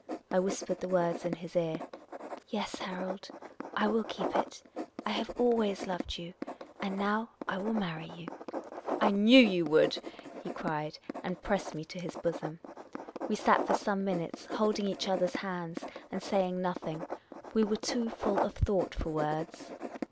I whispered the words in his ear. " Yes, Harold, I will keep it. I have always loved you. And now I will marry you. ''" I knew you would !" he cried, and pressed me to his bosom. We sat for some minutes, holding each other's hands, and saying nothing ; we were too full of thought for words.